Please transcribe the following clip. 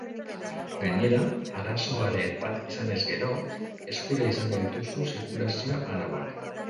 Gainera, arazoren bat izanez gero, eskura izango dituzu zirkulazio arauak.